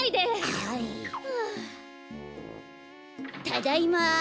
ただいま。